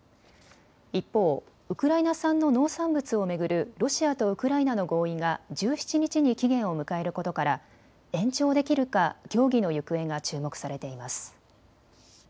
一方、ウクライナ産の農産物を巡るロシアとウクライナの合意が１７日に期限を迎えることから延長できるか協議の行方が注目されています。